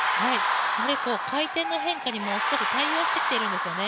やはり回転の変化にも少し対応してきているんですよね。